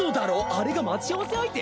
あれが待ち合わせ相手？